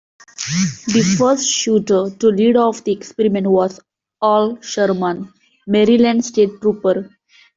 The first shooter to lead off the experiment was Al Sherman, Maryland State Trooper.